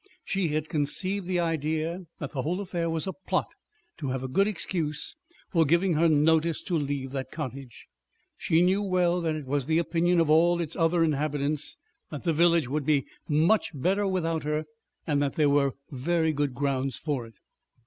She had conceived the idea that the whole affair was a plot to have a good excuse for giving her notice to leave that cottage. She knew well that it was the opinion of all its other inhabitants that the village would be much better without her and that there were very good grounds for it.